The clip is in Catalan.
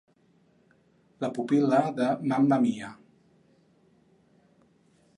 La pupil·la de Mamma Mia.